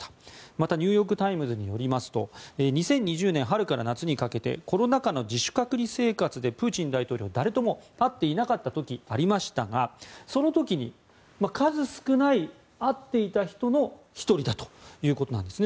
また、ニューヨーク・タイムズによりますと２０２０年春から夏にかけてコロナ禍の自主隔離生活でプーチン大統領は誰とも会っていなかった時がありましたがその時に数少ない会っていた人の１人だということなんですね。